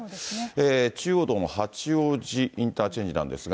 中央道の八王子インターチェンジなんですが。